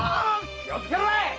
気をつけろい！